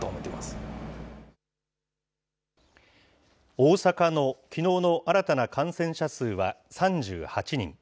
大阪のきのうの新たな感染者数は３８人。